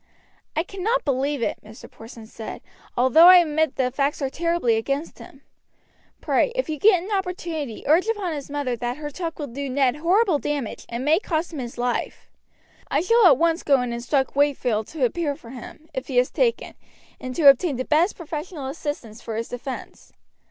"I cannot believe it," Mr. Porson said, "although I admit that the facts are terribly against him. Pray, if you get an opportunity urge upon his mother that her talk will do Ned horrible damage and may cost him his life. I shall at once go and instruct Wakefield to appear for him, if he is taken, and to obtain the best professional assistance for his defense.